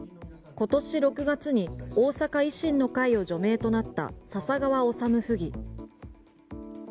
今年６月に大阪維新の会を除名となった笹川理府議。